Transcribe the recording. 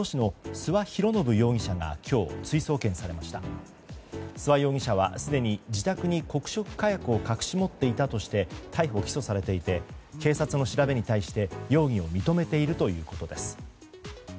諏訪容疑者は常に自宅に黒色火薬を隠し持っていたとして逮捕・起訴されていて警察の調べに対して容疑を認めているということです。